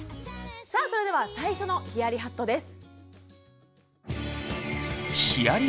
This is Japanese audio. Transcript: さあそれでは最初のヒヤリハットです。